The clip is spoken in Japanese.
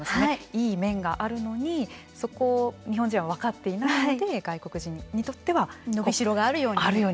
いい面があるのにそこを日本人が分かっていないので伸びしろがあるように。